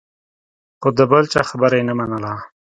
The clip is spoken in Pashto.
خو د بل چا خبره یې نه منله.